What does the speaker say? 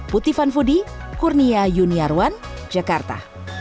puti fanfudi kurnia yuniarwan jakarta